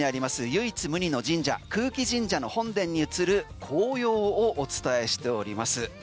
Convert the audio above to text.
唯一無二の神社空気神社の本殿に映る紅葉をお伝えしております。